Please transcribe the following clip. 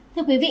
thưa quý vị